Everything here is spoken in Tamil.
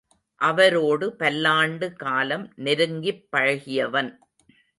அவரோடு பல்லாண்டு காலம் நெருங்கிப் பழகியவன்.